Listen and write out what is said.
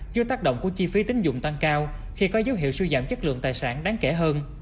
do tác động của chi phí tín dụng tăng cao khi có dấu hiệu sưu giảm chất lượng tài sản đáng kể hơn